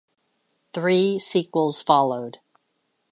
Three sequels followed.